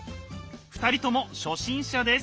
２人とも初心者です。